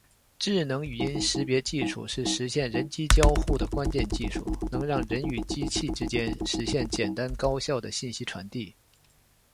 智能语音识别技术是实现人机交互的关键技术，能让人与机器之间实现简单高效的信息传递。